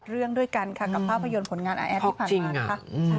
๖๑๗เรื่องด้วยกันค่ะกับภาพยนตร์ผลงานอาแอฟที่ผ่านมากค่ะ